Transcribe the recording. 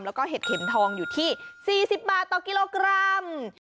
แล้วก็เห็ดเข็มทองอยู่ที่๔๐บาทต่อกิโลกรัม